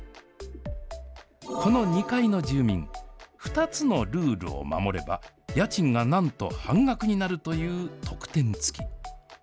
この２階の住民、２つのルールを守れば、家賃がなんと半額になるという特典付き。